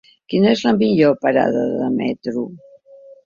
Quina és la millor parada de metro?